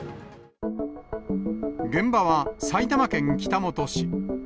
現場は埼玉県北本市。